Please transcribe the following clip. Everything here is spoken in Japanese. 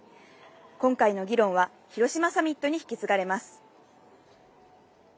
今回の議論は、広島サミットに引き継がれます。